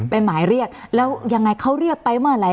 เป็นหมายเรียกแล้วยังไงเขาเรียกไปเมื่อไหร่